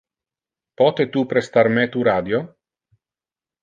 Pote tu prestar me tu radio?